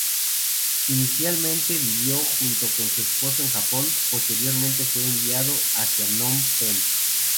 Inicialmente vivió junto con su esposo en Japón; posteriormente fue enviado hacia Nom Pen.